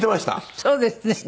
そうですね。